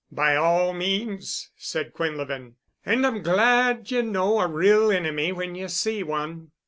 "By all means," said Quinlevin. "And I'm glad ye know a real enemy when ye see one."